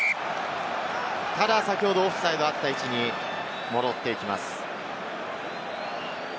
ただ先ほどオフサイドがあった位置に戻っていきます。